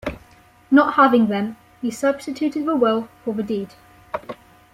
Not having them, he substituted the will for the deed.